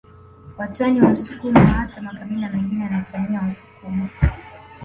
Watani wa msukuma hata makabila mengine yanatania wasukuma